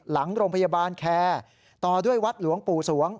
หลังโรงพยาบาลแคร์ต่อด้วยวัดหลวงปู่สวง